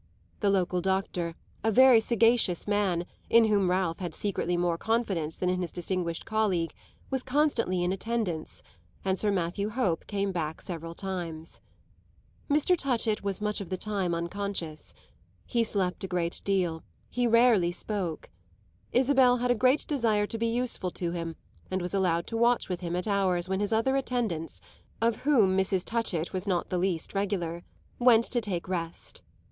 The local doctor, a very sagacious man, in whom Ralph had secretly more confidence than in his distinguished colleague, was constantly in attendance, and Sir Matthew Hope came back several times. Mr. Touchett was much of the time unconscious; he slept a great deal; he rarely spoke. Isabel had a great desire to be useful to him and was allowed to watch with him at hours when his other attendants (of whom Mrs. Touchett was not the least regular) went to take rest.